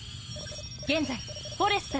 現在フォレスタ